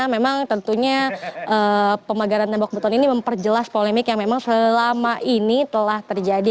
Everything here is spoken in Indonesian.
memang tentunya pemagaran tembok beton ini memperjelas polemik yang memang selama ini telah terjadi